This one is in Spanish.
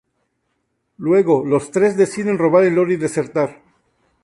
Luego, los tres deciden robar el oro y desertar.